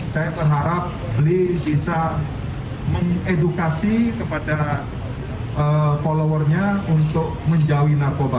saya berharap beli bisa mengedukasi kepada followernya untuk menjauhi narkoba